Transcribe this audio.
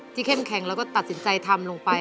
เข้มแข็งแล้วก็ตัดสินใจทำลงไป